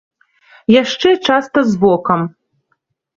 Яшчэ часта з вокам.